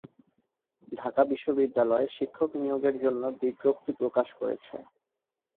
ঢাকা বিশ্ববিদ্যালয় শিক্ষক নিয়োগের জন্য বিজ্ঞপ্তি প্রকাশ করেছে।